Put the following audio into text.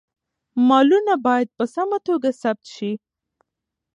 مالونه باید په سمه توګه ثبت شي.